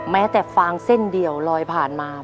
แม้แต่ฟางเส้นเดียวลอยผ่านมา